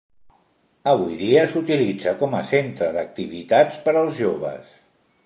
Avui dia s'utilitza com a centre d'activitats per als joves.